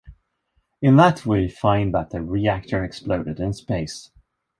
In that we find that the reactor exploded in space.